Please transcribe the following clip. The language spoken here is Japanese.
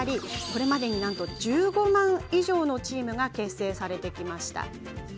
これまで１５万以上のチームが結成されてきました。